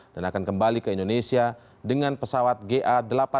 dan akan kembali ke indonesia dengan pesawat ga delapan ratus tiga puluh lima